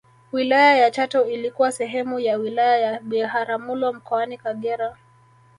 Wilaya ya Chato ilikuwa sehemu ya wilaya ya Biharamulo mkoani Kagera